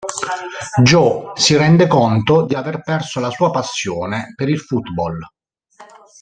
Joe si rende conto di aver perso la sua passione per il football.